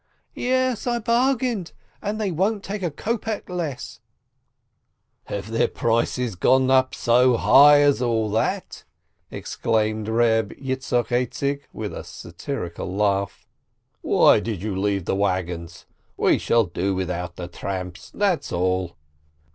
"Yes, I bargained, and they won't take a kopek less." AN ORIGINAL STEIKE 85 "Have their prices gone up so high as all that?" exclaimed Eeb Yitzchok Aizik, with a satirical laugh. "Why did you leave the wagons ? We shall do without the tramps, that's all